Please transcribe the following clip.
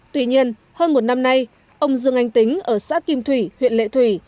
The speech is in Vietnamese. tuy nhiên hơn một năm nay ông dương anh tính ở xã kim thủy huyện lệ thủy